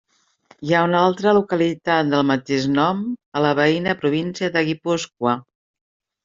Hi ha una altra localitat del mateix nom a la veïna província de Guipúscoa.